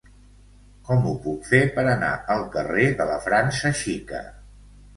Com ho puc fer per anar al carrer de la França Xica?